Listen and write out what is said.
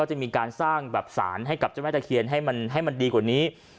จะมีการสร้างแบบสารให้กับเจ้าแม่ตะเคียนให้มันดีกว่านี้